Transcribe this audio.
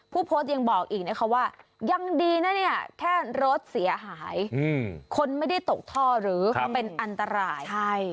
ผู้โพสต์ยังบอกอีกนะคะว่ายังดีนะเนี่ยแค่รถเสียหายคนไม่ได้ตกท่อหรือเป็นอันตราย